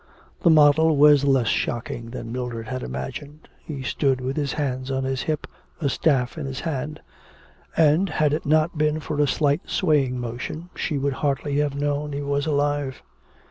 The model was less shocking than Mildred had imagined; he stood with his hands on his hip, a staff in his hand; and, had it not been for a slight swaying motion, she would hardly have known he was alive.